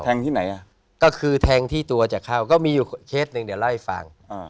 ที่ไหนอ่ะก็คือแทงที่ตัวจะเข้าก็มีอยู่เคสหนึ่งเดี๋ยวเล่าให้ฟัง